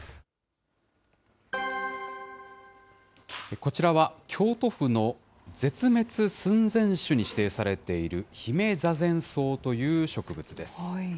こちらは、京都府の絶滅寸前種に指定されているヒメザゼンソウという植物です。